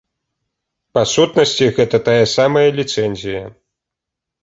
Па сутнасці, гэта тая самая ліцэнзія.